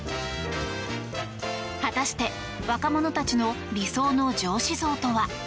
果たして若者たちの理想の上司像とは？